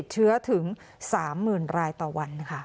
ครับ